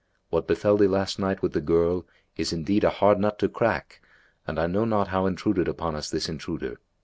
What befel thee last night with the girl is indeed a hard nut to crack, and I know not how intruded upon us this intruder.